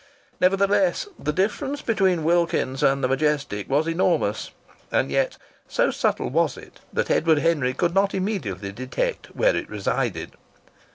Nevertheless, the difference between Wilkins's and the Majestic was enormous; and yet so subtle was it that Edward Henry could not immediately detect where it resided.